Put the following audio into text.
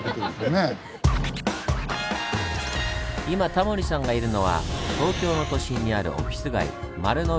今タモリさんがいるのは東京の都心にあるオフィス街丸の内。